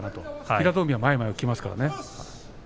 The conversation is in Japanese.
平戸海は前に前にいきますからね。